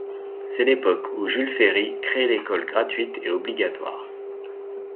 C'est l'époque où Jules Ferry crée l'école gratuite et obligatoire.